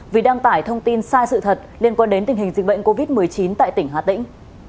vì đăng tải thông tin sai sự thật liên quan đến tình hình dịch bệnh covid một mươi chín tại tỉnh hà tĩnh